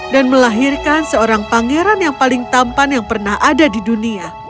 dan melahirkan seorang pangeran yang paling tampan yang pernah ada di dunia